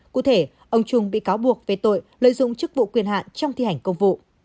cụ thể ông trung bị cáo buộc về tội lợi dụng chức vụ quyền hạn trong thi hành công vụ